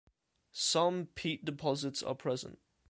Some peat deposits are present.